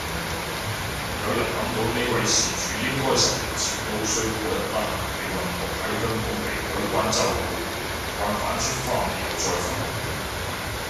有人搵到呢位事主應該十年前都衰過一單行李運毒喺香港被海關周到，慣犯出返嚟又再犯